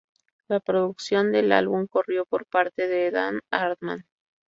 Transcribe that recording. La producción del álbum corrió por parte de Dan Hartman.